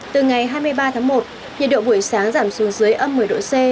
từ ngày hai mươi ba tháng một nhiệt độ buổi sáng giảm xuống dưới âm một mươi độ c